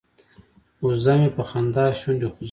وزه مې په خندا شونډې خوځوي.